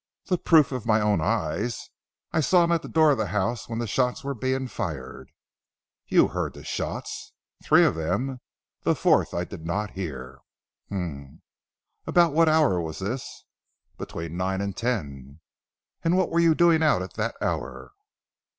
"The proof of my own eyes; I saw him at the door of the house when the shots were being fired." "You heard the shots?" "Three of them. The fourth I did not hear." "Humph! About what hour was this?" "Between nine and ten." "And what were you doing out at that hour?"